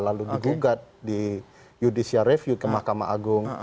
lalu digugat di judicial review ke mahkamah agung